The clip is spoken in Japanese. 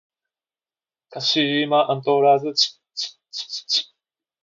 鹿島アントラーズ